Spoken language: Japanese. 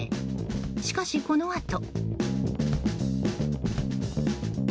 しかし、このあと。